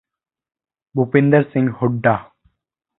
Bhupinder Singh Hooda